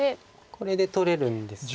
これで取れるんです。